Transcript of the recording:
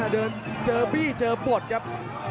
เจอบี้เจอปลดครับ